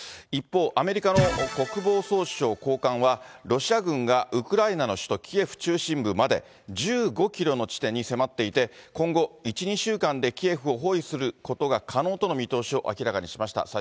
一方、アメリカの国防総省高官は、ロシア軍がウクライナの首都キエフ中心部まで１５キロの地点にまで迫っていて、今後１、２週間でキエフを包囲することが可能との見通しを明らかにしました。